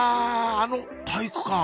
あの体育館